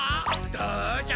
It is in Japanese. どうじゃ？